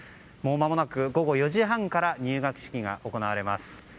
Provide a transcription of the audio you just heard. もうまもなく午後４時半から入学式が行われます。